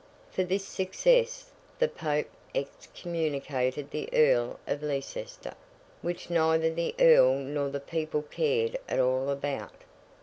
For this success, the Pope excommunicated the Earl of Leicester: which neither the Earl nor the people cared at all about.